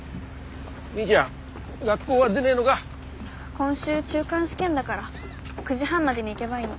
今週中間試験だから９時半までに行けばいいの。